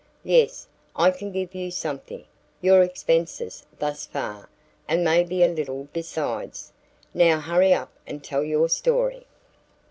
"Yes, I can give you something your expenses thus far and maybe a little besides. Now hurry up and tell your story."